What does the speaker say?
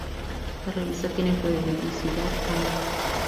La revista tiene periodicidad anual.